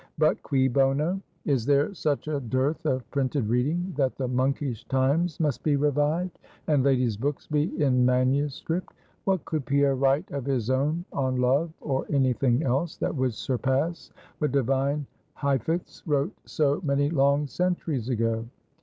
But Cui Bono? Is there such a dearth of printed reading, that the monkish times must be revived, and ladies books be in manuscript? What could Pierre write of his own on Love or any thing else, that would surpass what divine Hafiz wrote so many long centuries ago?